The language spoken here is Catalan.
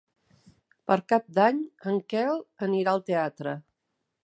Per Cap d'Any en Quel anirà al teatre.